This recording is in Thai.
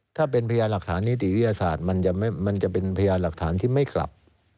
ถ้าเป็นพยานหลักฐานนิติวิทยาศาสตร์มันจะเป็นพยานหลักฐานที่ไม่กลับ